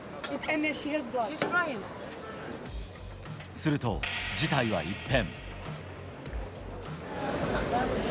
すると事態は一変。